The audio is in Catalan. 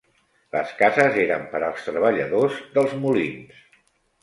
Les cases eren per als treballadors dels molins.